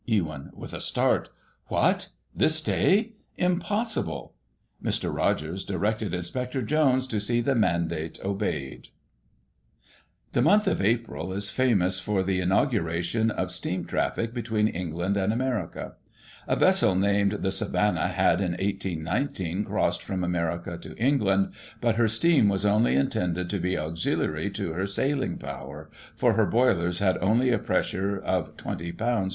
Ewyn (with a start) : What ! this day > Impossible. Mr. Rogers directed Inspector Jones to see the mandate obeyed The month of April is famous for the inauguration of steam traffic between England and America. A vessel named the Savannah had in 18 19 crossed from America to England, but her steam was only intended to be auxiliary to her sailing power, for her boilers had only a pressure of 20 lbs.